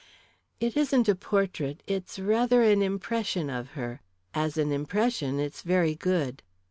"It isn't a portrait it's rather an impression of her. As an impression, it's very good."